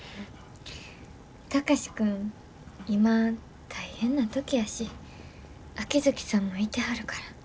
貴司君今大変な時やし秋月さんもいてはるから。